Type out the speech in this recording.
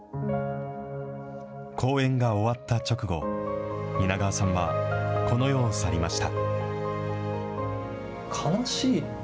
公演が終わった直後、蜷川さんは、この世を去りました。